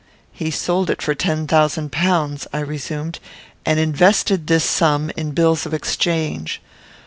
"He sold it for ten thousand pounds," I resumed, "and invested this sum in bills of exchange.